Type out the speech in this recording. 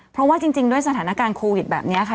เพราะว่าจริงด้วยสถานการณ์โควิดแบบนี้ค่ะ